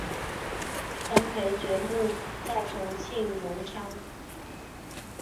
张培爵墓在重庆荣昌。